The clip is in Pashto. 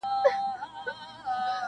زړه ته را تیري زما درنې خورکۍ-